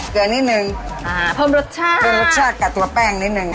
เหลือนิดนึงอ่าเพิ่มรสชาติเพิ่มรสชาติกับตัวแป้งนิดนึง